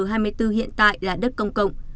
hiện tại là đất công cộng